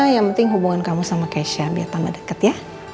yang penting hubungan kamu sama keisha biar tambah deket ya